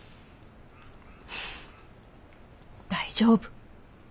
大丈夫。